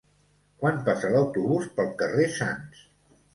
Quan passa l'autobús pel carrer Sants?